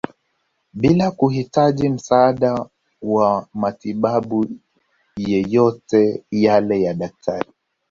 Bila kuhitaji msaada wa matibabu yeyote yale ya Daktari